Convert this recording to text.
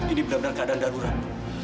ini benar benar keadaan darurat